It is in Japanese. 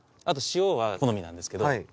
あと塩は好みなんですけど。